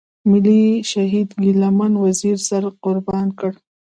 ملي شهيد ګيله من وزير سر قربان کړ.